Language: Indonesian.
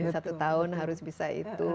satu tahun harus bisa itu